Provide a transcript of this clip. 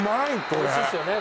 おいしいっすよね